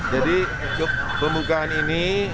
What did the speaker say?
jadi kebukaan ini